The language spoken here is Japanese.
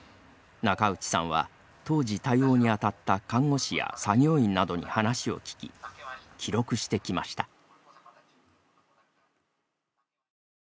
中内さんは、当時対応にあたった看護師や作業員などに話を聞き記録してきました。